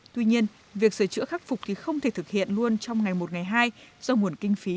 tuy nhiên việc sửa chữa khắc phục thì không thể thực hiện luôn trong ngày một ngày hai do nguồn kinh phí